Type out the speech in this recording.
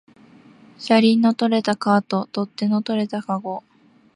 車輪の取れたカート、取っ手の取れたかご